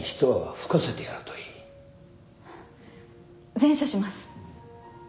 善処します。